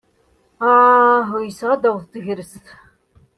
Ah! Uysaɣ ad taweḍ tegrest.